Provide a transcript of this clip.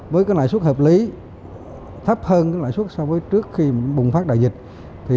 với lãi suất hợp lý thấp hơn lãi suất so với trước khi bùng phát đại dịch